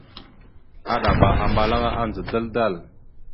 Aɗaba ambalaŋa andza dal-dal.